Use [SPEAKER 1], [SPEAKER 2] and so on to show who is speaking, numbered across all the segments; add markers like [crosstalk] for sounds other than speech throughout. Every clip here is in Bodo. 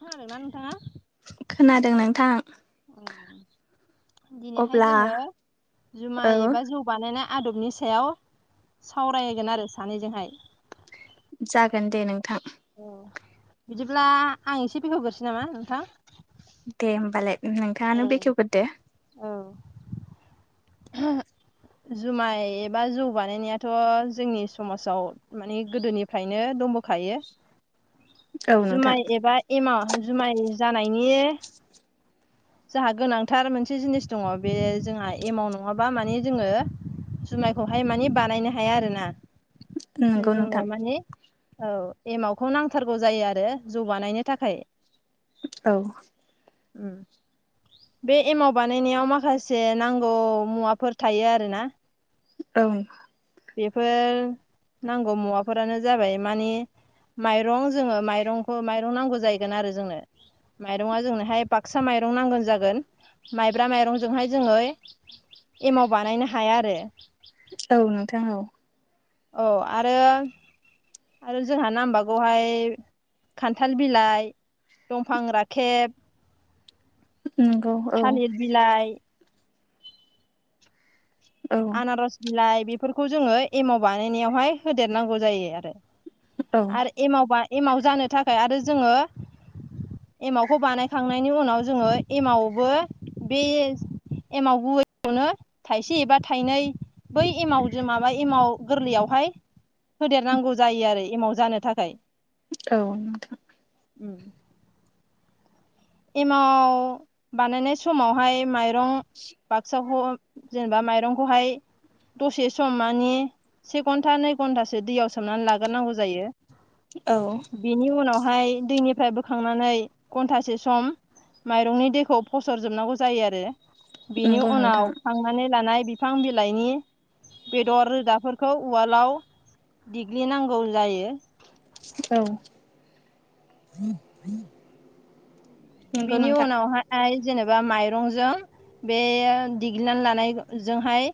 [SPEAKER 1] खोनादोंना नोंथाङा
[SPEAKER 2] खोनादों नोंथां
[SPEAKER 1] दिनैहाय
[SPEAKER 2] अब्ला
[SPEAKER 1] जोङो
[SPEAKER 2] औ
[SPEAKER 1] जुमाय एबा जौ बानायनाय आदबनि सायाव सावरायगोन आरो सानैजोंहाय
[SPEAKER 2] जागोन दे नोंथां
[SPEAKER 1] औ बिदिब्ला आं एसे बेखेवग्रोसै नामा नोंथां
[SPEAKER 2] दे होमबालाय
[SPEAKER 1] औ
[SPEAKER 2] नोंथाङानो बेखेवग्रोदो
[SPEAKER 1] औ [inaudible] जुमाय एबा जौ बानायनायाथ' जोंनि समाजाव माने गोदोनिफ्रायनो दंबोखायो
[SPEAKER 2] औ नोंथां
[SPEAKER 1] जुमाय एबा एमाव जुमाय जानायनि जाहा गोनांथार मोनसे जिनिस दङ बे जोंहा एमाव नङाबा माने जोङो जुमायखौहाय माने बानायनो हाया आरोना
[SPEAKER 2] नंगौ
[SPEAKER 1] जोङो
[SPEAKER 2] नोंथां
[SPEAKER 1] माने औ एमावखौ नांथारगौ जायो आरो जौ बानायनो थाखाय
[SPEAKER 2] औ
[SPEAKER 1] उ बे एमाव बानायनायाव माखासे नांगौ मुवाफोर थायो आरोना
[SPEAKER 2] ओं
[SPEAKER 1] बेफोर नांगौ मुवाफोरानो जाबाय माने माइरं जोङो माइरंखौ माइरं नांगौ जाहैगोन आरो जोंनो माइरङा जोंनोहाय बाक्सा माइ रं नांगोन जागोन माइब्रा माइरंजोंहाय जोङो एमाव बानायनो हाया आरो
[SPEAKER 2] औ नोंथां औ
[SPEAKER 1] औ आरो आरो जोंहा नांबागौहाय खान्थाल बिलाइ दंफां राखेब
[SPEAKER 2] नंगौ औ
[SPEAKER 1] थालिर बिलाइ
[SPEAKER 2] औ
[SPEAKER 1] आनारस बिलाइ बेफोरखौ जोङो एमाव बानायनायावहाय होदेरनांगौ जायो आरो
[SPEAKER 2] औ
[SPEAKER 1] आरो एमावबा एमाव जानो थाखाय आरो जोङो एमावखौ बानायखांनायनि उनाव जोङो एमावबो बे एमाव होयैयावनो थाइसे एबा थाइनै बै एमावजों माबा एमाव गोरलैयावहाय होदेरनांगौ जायो आरो एमाव जानो थाखाय
[SPEAKER 2] औ नोंथां
[SPEAKER 1] उम एमाव बानायनाय समावहाय माइरं बाक्साखौ जेनेबा माइरंखौहाय दसे सम माने से घन्टा नै घन्टासो दैयाव सोमनानै लाग्रोनांगौ जायो
[SPEAKER 2] औ
[SPEAKER 1] बिनि उनावहाय दैनिफ्राय बोखांनानै घन्टासे सम माइरंनि दैखौ फसरजोबनांगौ जायो आरो बिनि
[SPEAKER 2] नंगौ नोंथां
[SPEAKER 1] उनाव खांनानै लानाय बिफां बिलाइनि बेदर रोदाफोरखौ उवालाव देग्लिनांगौ जायो
[SPEAKER 2] औ नंगौ
[SPEAKER 1] बिनि
[SPEAKER 2] नोंथां
[SPEAKER 1] उनाव जेनेबा माइरंजों बे दिग्लिनानै लानायजोंहाय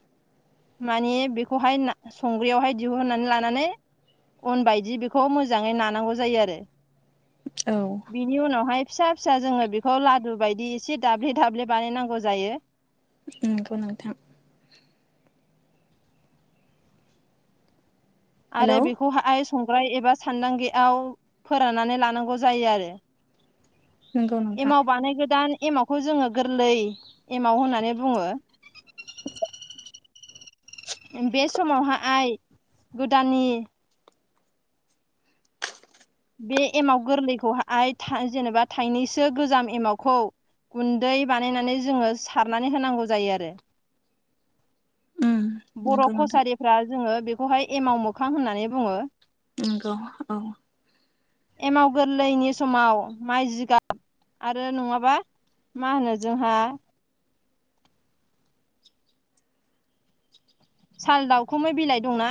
[SPEAKER 1] माने बेखौहाय ना संग्रायावहाय दिहुननानै लानानै अन बायदि बेखौ मोजाङै नानांगौ जायो आरो
[SPEAKER 2] औ
[SPEAKER 1] बिनि उनावहाय फिसा फिसा जोङो बेखौ लादु बायदि एसे दाब्ले दाब्ले बानायनांगौ जायो
[SPEAKER 2] नंगौ नोंथां
[SPEAKER 1] आरो
[SPEAKER 2] हेलौ
[SPEAKER 1] बिखौहाय संग्राय एबा सान्दांगायाव फोराननानै लानांगौ जायो आरो
[SPEAKER 2] नंगौ नोंथां
[SPEAKER 1] एमाव बानाय गोदान एमावखौ जोङो गोरलै एमाव होननानै बुङो
[SPEAKER 2] [unintelligible]
[SPEAKER 1] बे समावहाय गोदाननि बे एमाव गोरलैखौहाय जेनेबा थाइनैसो गोजाम एमावखौ गुन्दै बानायनानै जोङो सारनानै होनांगौ जायो आरो
[SPEAKER 2] उम
[SPEAKER 1] बर'
[SPEAKER 2] नंगौ नोंथां
[SPEAKER 1] कसारिफ्रा जोङो बेखौहाय एमाव मोखां होननानै बुङो
[SPEAKER 2] नंगौ औ
[SPEAKER 1] एमाव गोरलैनि समाव माइ जिगाब आरो नङाबा मा होनो जोंहा
[SPEAKER 2] [unintelligible]
[SPEAKER 1] साल दाउखुमै बिलाइ दंना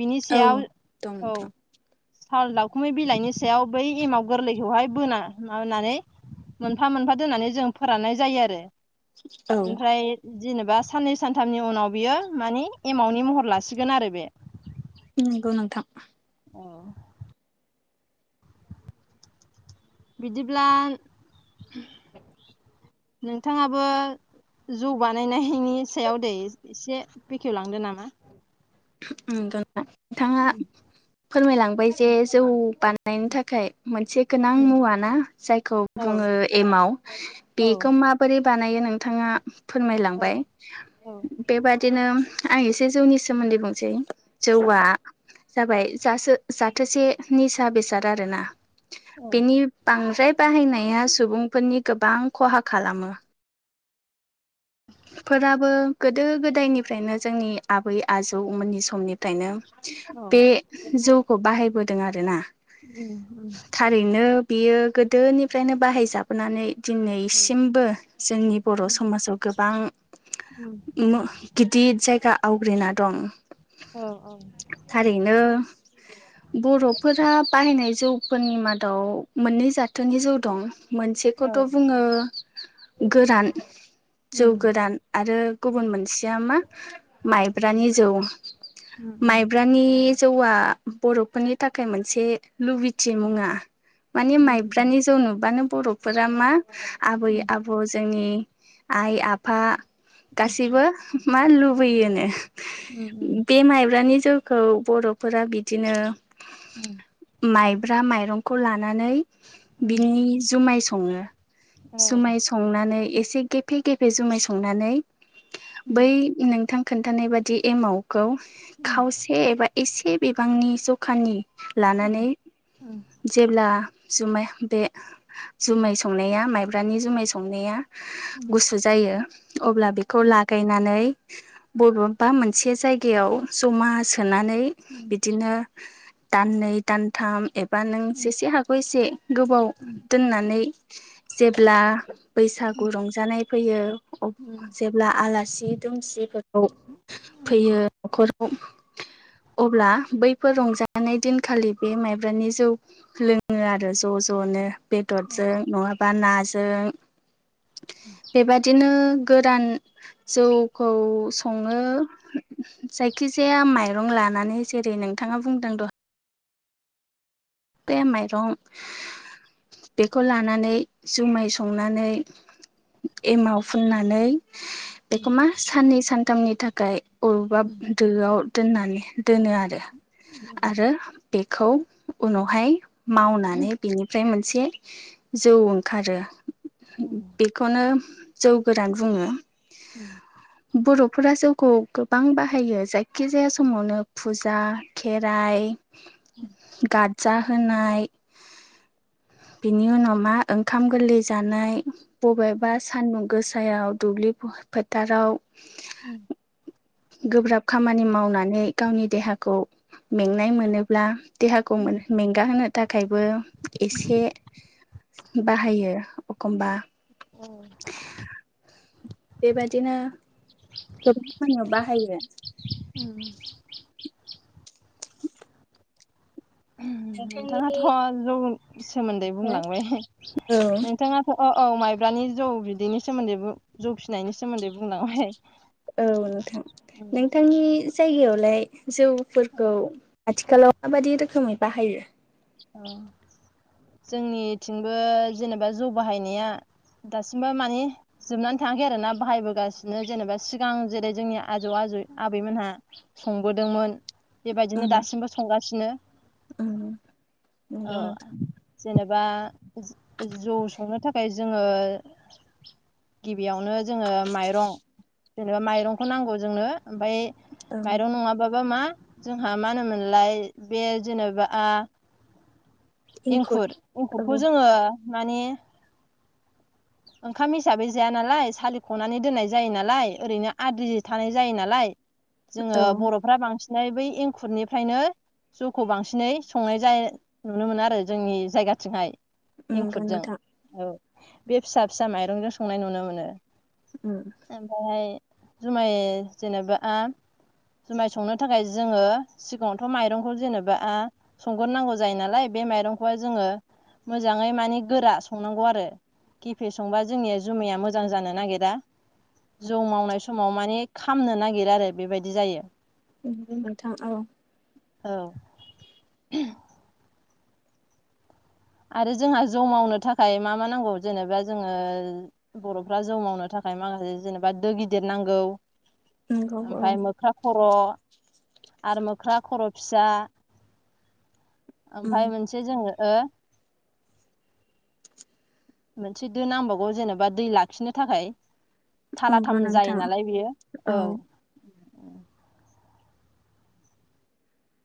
[SPEAKER 1] बिनि
[SPEAKER 2] औ
[SPEAKER 1] सायाव
[SPEAKER 2] दं
[SPEAKER 1] औ
[SPEAKER 2] नोंथां
[SPEAKER 1] साल दावखुमै बिलाइनि सायाव बै एमाव गोरलैखौहाय बोना माबानानै मोनफा मोनफा दोननानै जों फोराननाय जायो आरो
[SPEAKER 2] औ
[SPEAKER 1] ओमफ्राय जेनेबा साननै सानथामनि उनाव बियो माने एमावनि महर लासिगोन आरो बे
[SPEAKER 2] नंगौ नोंथां
[SPEAKER 1] औ बिदिब्ला नोंथाङाबो जौ बानायनायनि सायाव दे एसे बेखेवलांदो नामा
[SPEAKER 2] नोंथाङा फोरमायलांबाय जे जौ बानायनो थाखाय मोनसे गोनां मुवा ना जायखौ
[SPEAKER 1] औ
[SPEAKER 2] बुङो एमाव बे
[SPEAKER 1] औ
[SPEAKER 2] खौ माबोरै बानायो नों नोंथाङा
[SPEAKER 1] औ
[SPEAKER 2] फोरमायलांबाय
[SPEAKER 1] औ
[SPEAKER 2] बेबादिनो आं एसे जौनि सोमोन्दै बुं- सै
[SPEAKER 1] औ
[SPEAKER 2] जौआ जाबाय जासो जाथोसे निसा बेसाद आरोना
[SPEAKER 1] औ
[SPEAKER 2] बेनि बांद्राय बाहायनाया सुबुंफोरनि गोबां खहा खालामो। फोराबो गोदो गोदायनिफ्रायनो जोंनि आबै आजौमोननि समनिफ्रायनो
[SPEAKER 1] औ
[SPEAKER 2] बे जौखौ बाहायबोदों आरोना
[SPEAKER 1] उम उम
[SPEAKER 2] थारैनो बियो गोदोनिफ्रायनो बाहायजाबोनानै
[SPEAKER 1] औ
[SPEAKER 2] दिनैसिमबो जोंनि बर' समाजाव आं
[SPEAKER 1] उम
[SPEAKER 2] मो गिदिर जायगा आवग्रिना दं।
[SPEAKER 1] औ औ
[SPEAKER 2] थारैनो बर'फोरा बाहायनाय जौफोरनि मादाव मोननै जाथोनि जौ दं।
[SPEAKER 1] औ
[SPEAKER 2] मोनसेखौथ' बुङो गोरान जौ
[SPEAKER 1] उम
[SPEAKER 2] गोरान आरो गुबुन मोनसेया मा माइब्रानि जौ
[SPEAKER 1] उम उम
[SPEAKER 2] माइब्रानि जौआ बर'फोरनि थाखाय मोनसे लुबैथि मुङा मानि
[SPEAKER 1] उम
[SPEAKER 2] माइब्रानि जौ नुबानो बर'फोरा मा आबै
[SPEAKER 1] उम
[SPEAKER 2] आबौ जोंनि आइ आफा गासिबो मा लुबैयोनो
[SPEAKER 1] उम उम
[SPEAKER 2] बे माइब्रानि जौ खौ बर'फोरा बिदिनो
[SPEAKER 1] औ
[SPEAKER 2] माइब्रा माइरंखौ लानानै बिनि जुमाय सङो। जुमाय संनानै एसे गेफे गेफे जुमाय संनानै बै नोंथां खोन्थानाय बादि एमाव खौ खावसे एबा एसे बिबांनि जखानि लानानै जेब्ला जुमाय बे जुमाय संनाया माइब्रानि जुमाय संनाया गुसु जायो अब्ला बेखौ लागायनानै बबेबा मोनसे जायगायाव जमा सोनानै बिदिनो दाननै दानथाम एबा नों जेसे हागौ एसे गोबाव दोननानै जेब्ला बैसागु रंजा नाय फैयो जेब्ला आलासि दुमसि फैयो न'खराव अब्ला बैफोर रंजानाय दिनखालि बे माइब्रानि जौ लोङो आरो ज' ज' ज'नो बेदरजों नङाबा नाजों बेबादिनो गोरान जौखौ सङो जायखिजाया माइरं ला नानै जेरै नोंथाङा बुंदों दहाय बे माइरं बेखौ लानानै जुमाय संनानै एमाव फुननानै बेखौ मा साननै सानथामनि थाखाय अबेबा दोआव दोननानै दोनो आरो आरो बेखौ उनावहाय मावनानै बिनिफ्राय मोनसे जौ ओंखारो। बेखौनो जौ गोरान बुङो।
[SPEAKER 1] औ
[SPEAKER 2] बर'फोरा जौखौ गोबां बाहायो जायखिजाया समावनो फुजा जा खेराइ
[SPEAKER 1] उम
[SPEAKER 2] जाहोनाय बिनि उनाव मा ओंखाम गोरलै जानाय। बबेबा सानदुं गोसायाव दुब्लि फोथाराव
[SPEAKER 1] उम
[SPEAKER 2] गोब्राब खामानि मावनानै गावनि देहाखौ मेंनाय मोनोब्ला देहाखौ मेंगा होनो थाखायबो एसे बाहायो एखमबा
[SPEAKER 1] औ
[SPEAKER 2] बेबादिनो गोबां खानियाव बाहायो। नोंथांनि
[SPEAKER 1] नोंथाङाथ जौ सोमोन्दै
[SPEAKER 2] हो
[SPEAKER 1] बुंलांबाय
[SPEAKER 2] औ
[SPEAKER 1] नोंथाङाथ औ माइब्रानि जौ बिदैनि सोमोन्दै जौ फिनायनि सोमोन्दै बुंलांबाय।
[SPEAKER 2] औ नोंथां नोंथांनि जायगायावलाय जौफोरखौ आथिखालाव माबायदि रोखोमै बाहायो?
[SPEAKER 1] औ जोंनिथिंबो जेनेबा जौ बाहायनाया दासिमबा माने जोबनानै थाङाखै आरोना बाहायबोगासिनो जेनेबा सिगां जेरै जोंनि आजौ आ आबैमोनहा संबोदोंमोन बेबायदिनो
[SPEAKER 2] उम
[SPEAKER 1] दासिमबो संगासिनो।
[SPEAKER 2] उम
[SPEAKER 1] औ
[SPEAKER 2] नंगौ नोंथां
[SPEAKER 1] जेनेबा जौ संनो थाखाय जोङो गिबियावनो जोङो माइरं जेननोबा माइरंखौ नांगौ जोंनो ओमफाय
[SPEAKER 2] औ
[SPEAKER 1] माइरं नङाबाबा मा? जोंहा मा होनोमोनलाय बे जेनेबा
[SPEAKER 2] इंखुर
[SPEAKER 1] एंखुर एंखुरखौ
[SPEAKER 2] औ
[SPEAKER 1] जोङो माने ओंखाम हिसाबै जाया नालाय सालिखनानै दोननाय जायो नालाय ओरैनो आद्रि थानाय जायो नालाय। जोङो
[SPEAKER 2] औ
[SPEAKER 1] बर'फ्रा बांसिनै बै एंखुरनिफ्रायनो जौखौ बांसिनै संनाय जाय नुनो मोनो आरो जोंनि जायगाथिंहाय।
[SPEAKER 2] नंगौ
[SPEAKER 1] इंखुदजों
[SPEAKER 2] नोंथां
[SPEAKER 1] औ। बे फिसा फिसा माइरंजों संनाय नुनो मोनो।
[SPEAKER 2] उम
[SPEAKER 1] ओमफायहाय जुमाय जेनेबा आ जुमाय संनो थाखाय जोङो सिगाङावथ माइरंखौ जेनेबाआ संगोरनांगौ जायो नालाय बे माइरंखौहाय जोङो मोजाङै माने गोरा संनांगौ आरो। गिफे संबा जोंनिया जुमैया मोजां जानो नागिरा। जौ मावनाय समाव माने खामनो नागिरो आरो बेबायदि जायो।
[SPEAKER 2] [unintelligible] नोंथां औ।
[SPEAKER 1] औ [unintelligible] आरो जोंहा जौ मावनो थाखाय मा मा नांगौ जेनेबा जोङो बर'फ्रा जौ मावनो थाख खाय माखासे जेनेबा दो गिदिद नांगौ
[SPEAKER 2] नंगौ औ
[SPEAKER 1] ओमफाय मोख्रा खर आरो मोख्रा खर' फिसा
[SPEAKER 2] उम
[SPEAKER 1] ओमफाय मोनसे जोङो हो मोनसे दो नांबावगौ जेनेबा दै लाखिनो थाखाय।
[SPEAKER 2] नंगौ
[SPEAKER 1] थालाथाम जायो
[SPEAKER 2] नोंथां
[SPEAKER 1] नालाय बेयो औ।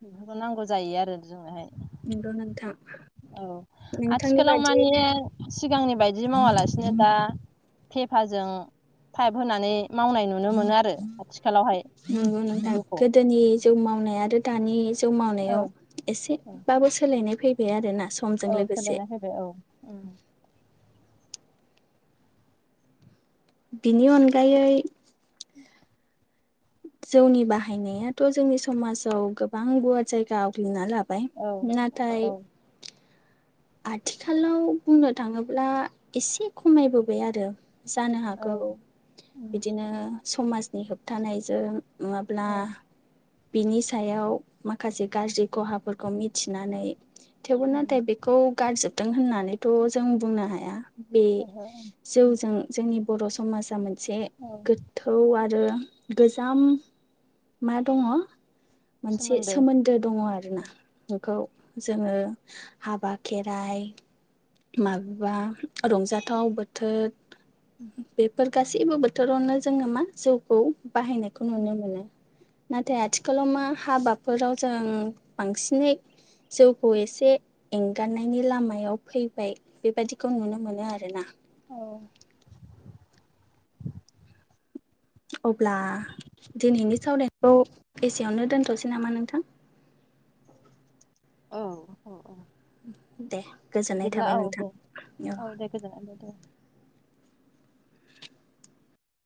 [SPEAKER 1] बेफोरखौ नांगौ जाहैयो आरो जोंनोहाय।
[SPEAKER 2] नंगौ नोंथां
[SPEAKER 1] औ
[SPEAKER 2] नोंथांनि
[SPEAKER 1] आथिखालाव माने
[SPEAKER 2] बादियैनो
[SPEAKER 1] सिगांनि बायदि मावालास सिनो दा पेपाजों पाइप होनानै मावनाय नुनो मोनो आरो आथिखालावहाय
[SPEAKER 2] नोंगौ नोंथां।
[SPEAKER 1] जौखौ
[SPEAKER 2] गोदोनि जौ मावनाय आरो दानि जौ
[SPEAKER 1] औ
[SPEAKER 2] मावनायाव एसे बाबो सोलायनाय फैबाय आरोना। समजों
[SPEAKER 1] औ
[SPEAKER 2] लोगोसे
[SPEAKER 1] सोलायना फैबाय औ।
[SPEAKER 2] बिनि अनगायै जौनि बाहायनायाथ जोंनि समाजाव गोबां गुवार जायगा आवग्लिना ला बाय
[SPEAKER 1] औ
[SPEAKER 2] नाथाय
[SPEAKER 1] औ
[SPEAKER 2] आथिखालाव बुंनो थाङोब्ला एसे खमायबोबाय आरो। जानो
[SPEAKER 1] औ
[SPEAKER 2] हागौ बिदिनो समाजनि होबथानायजों नङाब्ला बिनि सायाव माखासे गाज्रि ख'हाफोरखौ मिथिनानै थेवबो नाथाय बे खौ गारजोबदों होन्नानै थ' जों बुंनो हाया। बे
[SPEAKER 1] ओहो
[SPEAKER 2] जौजों जोंनि बर' समाजा मोनसे
[SPEAKER 1] औ
[SPEAKER 2] गोथौ आरो गोजाम मा दङ मोनसे सोमोन्दो दङ आरोना इखौ जोङो हाबा खेराइ माबेबा रंजाथाव बोथोद बेफोर गासैबो बोथोरावनो जोङो मा जौखौ बाहायनायखौ नुनो मोनो। नाथाय आथिखालाव मा हाबाफोराव जों बांसिनै जौखौ एसे एंगादनायनि लामायाव फैबाय बेबायदिखौ नुनो मोनो आरोना।
[SPEAKER 1] अ
[SPEAKER 2] अब्ला दिनैनि सावरायखौ एसेयावनो दोनथ'सै नामा नोंथां?
[SPEAKER 1] [inaudible] औ औ औ
[SPEAKER 2] दे गोजोननाय
[SPEAKER 1] बिदिब्ला
[SPEAKER 2] थाबाय
[SPEAKER 1] औ
[SPEAKER 2] नोंथां
[SPEAKER 1] दे औ दे गोजोन्नाय [unintelligible]